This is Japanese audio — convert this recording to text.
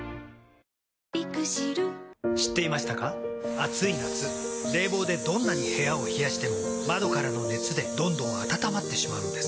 暑い夏冷房でどんなに部屋を冷やしても窓からの熱でどんどん暖まってしまうんです。